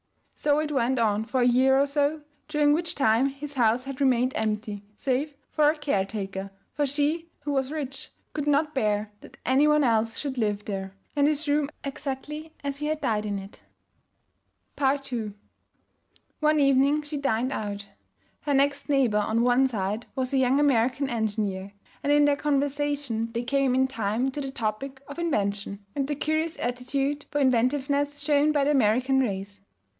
So it went on for a year or so, during which time his house had remained empty, save for a caretaker, for she (who was rich) could not bear that any one else should live there, and his room exactly as he had died in it. II One evening she dined out. Her next neighbor on one side was a young American engineer, and in their conversation they came in time to the topic of invention and the curious aptitude for inventiveness shown by the American race.